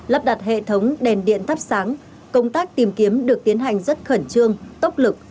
lắp đặt hệ thống đèn điện thắp sáng công tác tìm kiếm được tiến hành rất khẩn trương tốc lực